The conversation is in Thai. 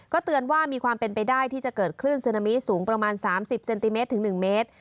เตือนว่ามีความเป็นไปได้ที่จะเกิดคลื่นซึนามิสูงประมาณ๓๐เซนติเมตรถึง๑เมตร